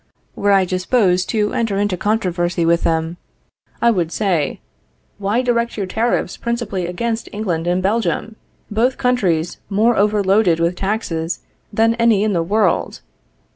Were I disposed to enter into controversy with them, I would say: Why direct your tariffs principally against England and Belgium, both countries more overloaded with taxes than any in the world?